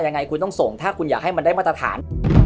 ยังไงคุณต้องส่งถ้าคุณอยากให้มันได้มาตรฐาน